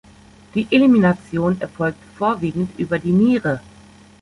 Die Elimination erfolgt vorwiegend über die Niere.